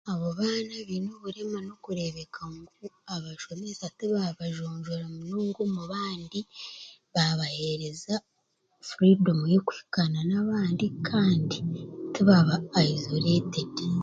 Abo baana abaine obureema n'okureeba ngu abaana tibaabajonjobeka mubandi baabaheereza furidomu y'okuhikaana n'abandi tibaaba aizoreetedi